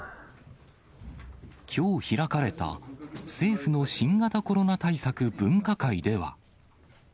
きょう開かれた政府の新型コロナ対策分科会では。